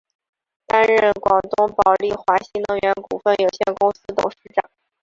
担任广东宝丽华新能源股份有限公司董事长。